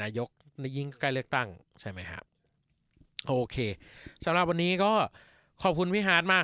ยิ่งใกล้เลือกตั้งใช่ไหมฮะโอเคสำหรับวันนี้ก็ขอบคุณพี่ฮาร์ดมาก